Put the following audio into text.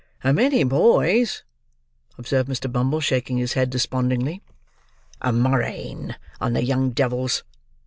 "A many boys," observed Mr. Bumble, shaking his head, despondingly. "A murrain on the young devils!"